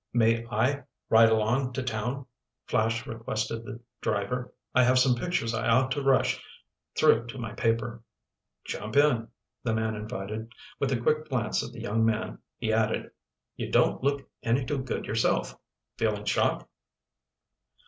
"May I ride along to town?" Flash requested the driver. "I have some pictures I ought to rush through to my paper." "Jump in," the man invited. With a quick glance at the young man, he added: "You don't look any too good yourself. Feeling shock?"